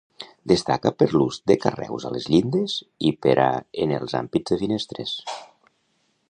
Destaca per l'ús de carreus a les llindes i pera en els ampits de finestres.